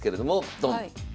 ドン。